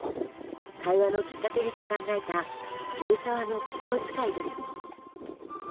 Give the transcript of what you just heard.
会話のきっかけにと考えた渋沢の心遣いです。